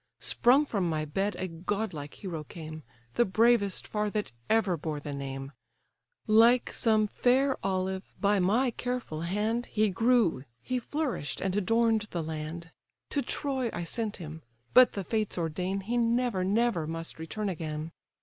Sprung from my bed a godlike hero came, The bravest far that ever bore the name; Like some fair olive, by my careful hand He grew, he flourish'd and adorn'd the land! To Troy I sent him: but the fates ordain He never, never must return again.